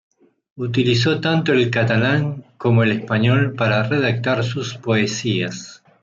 Utilizó tanto el catalán como el español para redactar sus poesías.